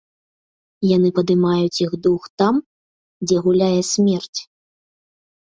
Яны падымаюць іх дух там, дзе гуляе смерць.